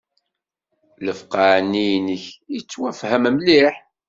Lefqeε-nni-inek yettwfham mliḥ...